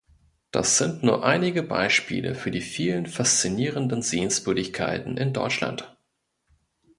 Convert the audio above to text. Das sind nur einige Beispiele für die vielen faszinierenden Sehenswürdigkeiten in Deutschland.